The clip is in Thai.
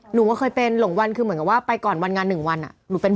หนูก็เคยเป็นลงวันคือเหมือนกับว่าไปก่อนวันงานหนึ่งวันอะหนูเป็น